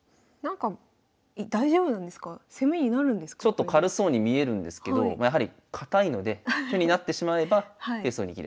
ちょっと軽そうに見えるんですけどやはり堅いので手になってしまえばペースを握れると。